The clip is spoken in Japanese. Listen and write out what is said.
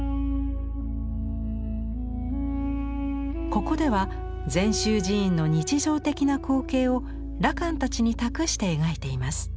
ここでは禅宗寺院の日常的な光景を羅漢たちに託して描いています。